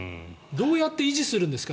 どうやって維持するんですか？